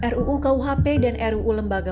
ruu kuhp dan ruu lembaga